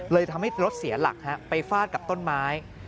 เลยทำให้รถเสียหลักไปฟาดกับต้นไม้